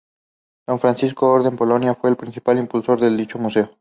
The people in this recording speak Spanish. Don Francisco Orden Palomino fue el principal impulsor de dicho museo.